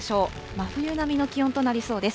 真冬並みの気温となりそうです。